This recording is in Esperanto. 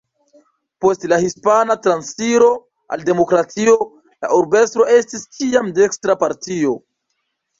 Post la Hispana Transiro al demokratio la urbestro estis ĉiam de dekstra partio.